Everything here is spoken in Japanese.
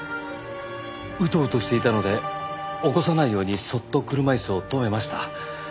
うとうとしていたので起こさないようにそっと車椅子を止めました。